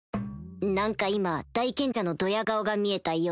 何か今大賢者のドヤ顔が見えたような